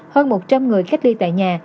hơn một trăm linh người cách ly tại nhà